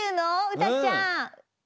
うたちゃん。